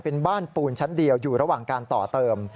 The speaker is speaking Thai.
เป็นบ้านปูนชั้นเดียวอยู่ระหว่างการต่อเติม